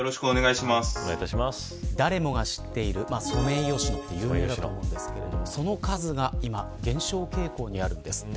誰もが知っているソメイヨシノ有名だと思うんですけどその数が今、減少傾向にあるんです。